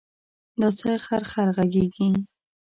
دا څه خرخر غږېږې.